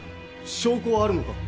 証拠はあるのか？